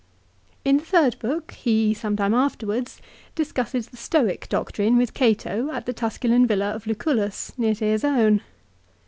In the third book he, some time afterwards, discusses the Stoic doctrine with Cato at the Tusculan villa of Lucullus, near to his own.